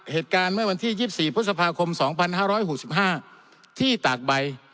เหตุการณ์เมื่อวันที่๒๔พฤษภาคม๒๕๖๕ที่ตากใบ